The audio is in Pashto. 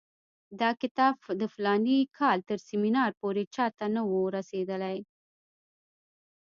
دا کتاب د فلاني کال تر سیمینار پورې چا ته نه وو رسېدلی.